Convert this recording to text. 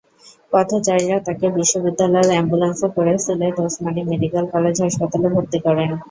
পথচারীরা তাঁকে বিশ্ববিদ্যালয়ের অ্যাম্বুলেন্সে করে সিলেটে ওসমানী মেডিকেল কলেজ হাসপাতালে ভর্তি করেন।